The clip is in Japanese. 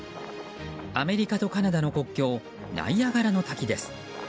アメリカとカナダの国境ナイアガラの滝です。